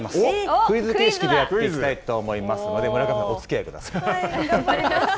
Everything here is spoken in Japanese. クイズ形式でやっていきたいと思いますので、村上さん、おつきあいください。